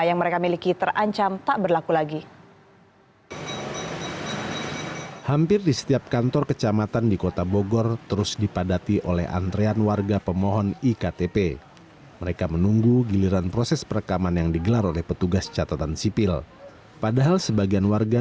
yang mereka miliki terancam tak berlaku lagi